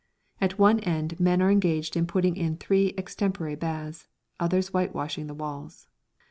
At one end men are engaged in putting in three extemporary baths, others whitewashing the walls.